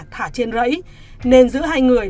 thả trên rẫy nên giữa hai người